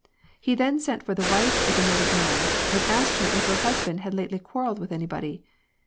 He ,then sent for the wife of the murdered man, and asked her if her husband had lately quarrelled with any body.